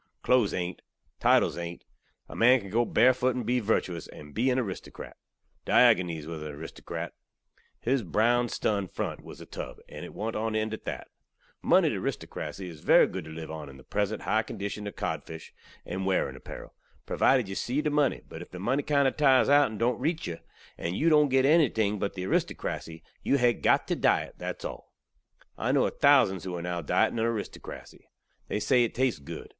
Clothes ain't. Titles ain't. A man kan go barefoot and be virtewous, and be an aristokrat. Diogoneze waz an aristokrat. His brown stun front waz a tub, and it want on end, at that. Moneyed aristokrasy iz very good to liv on in the present hi kondishun ov kodphis and wearing apparel, provided yu see the munny, but if the munny kind of tires out and don't reach yu, and you don't git ennything but the aristokrasy, you hay got to diet, that's all. I kno ov thousands who are now dieting on aristokrasy. They say it tastes good.